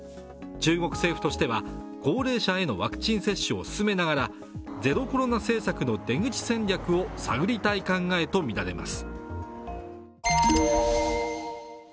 中国政府としては、高齢者へのワクチン接種を進めながらゼロコロナ政策の出口戦略を探りたい考えとみられます。